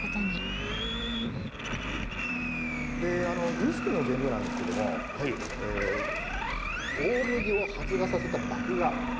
ウイスキーの原料なんですけども大麦を発芽させた麦芽これですね。